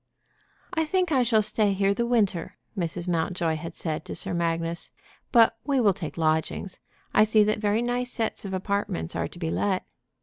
"I think I shall stay here the winter," Mrs. Mountjoy had said to Sir Magnus, "but we will take lodgings. I see that very nice sets of apartments are to be let."